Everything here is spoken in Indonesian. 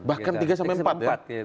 bahkan tiga sampai empat pak